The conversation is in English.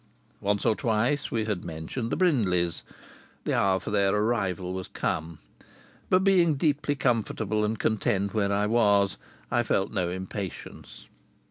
Once or twice we had mentioned the Brindleys. The hour for their arrival was come. But being deeply comfortable and content where I was, I felt no impatience.